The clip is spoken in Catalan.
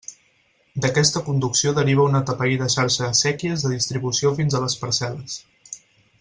D'aquesta conducció deriva una atapeïda xarxa de séquies de distribució fins a les parcel·les.